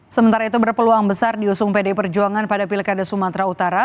sementara itu berpeluang besar diusung pdi perjuangan pada pilkada sumatera utara